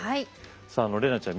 さああの怜奈ちゃん